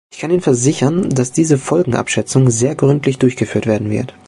Ich kann Ihnen versichern, dass diese Folgenabschätzung sehr gründlich durchgeführt werden wird.